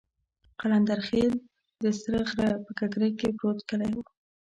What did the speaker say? قلندرخېل د سره غره په ککرۍ کې پروت کلی وو.